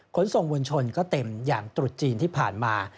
ขนส่งมวลชนก็เต็มอย่างตรุษจีนที่ผ่านมา